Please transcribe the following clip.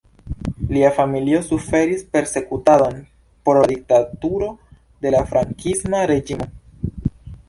Lia familio suferis persekutadon pro la diktaturo de la frankisma reĝimo.